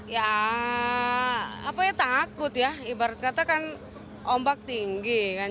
ya apanya takut ya ibarat katakan ombak tinggi kan